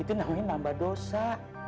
itu namanya nambah dosa